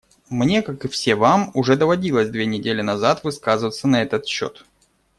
Мне, как и все вам, уже доводилось две недели назад высказываться на этот счет.